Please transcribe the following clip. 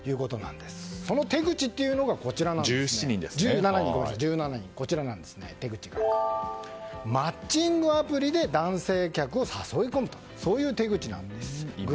その手口が、マッチングアプリで男性客を誘い込むという手口なんです。